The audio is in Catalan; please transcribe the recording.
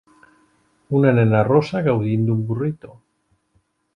Una nena rossa gaudint d'un burrito